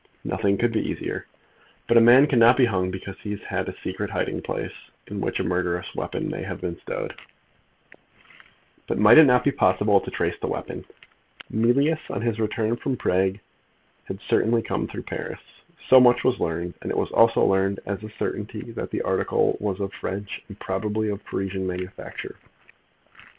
Nothing could be easier. But a man cannot be hung because he has had a secret hiding place in which a murderous weapon may have been stowed away. But might it not be possible to trace the weapon? Mealyus, on his return from Prague, had certainly come through Paris. So much was learned, and it was also learned as a certainty that the article was of French, and probably of Parisian manufacture.